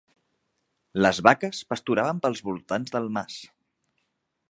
Les vaques pasturaven pels voltants del mas.